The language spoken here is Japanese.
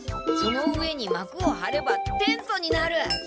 その上にまくを張ればテントになる！